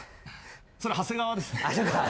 それ長谷川ですね。